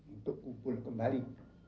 untuk kumpul kembali